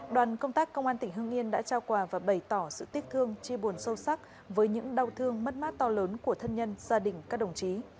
đoàn công tác công an tỉnh hương yên đã trao quà và bày tỏ sự tiếc thương chi buồn sâu sắc với những đau thương mất mát to lớn của thân nhân gia đình các đồng chí